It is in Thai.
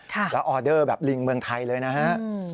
และออเดอร์แบบลิงค์เมืองไทยเลยนะครับ